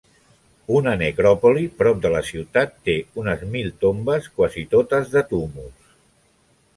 Una necròpoli prop de la ciutat té unes mil tombes, quasi totes de túmuls.